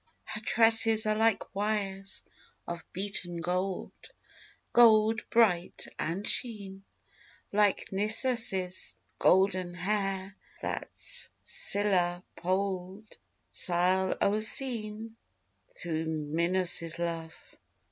Her tresses are like wires of beaten gold, Gold bright and sheen; Like Nisus' golden hair that Scylla poll'd, Scyll o'erseen Through Minos' love.